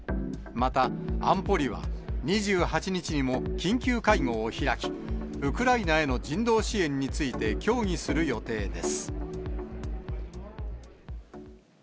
また、安保理は、２８日にも緊急会合を開き、ウクライナへの人道支援について協議する予定です。